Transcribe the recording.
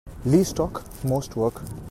Least talk most work.